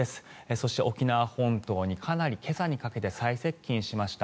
そして沖縄本島に今朝にかけて最接近しました。